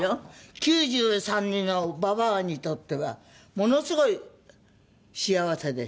９３のばばあにとってはものすごい幸せです。